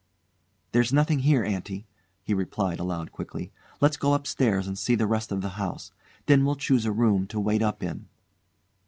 "There's nothing here, aunty," he repeated aloud quickly. "Let's go upstairs and see the rest of the house. Then we'll choose a room to wait up in."